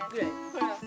ほら。